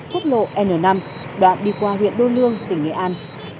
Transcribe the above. quốc lộ n năm đoạn đi qua huyện đô lương tỉnh nghệ an